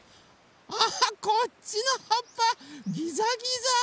あこっちのはっぱギザギザ！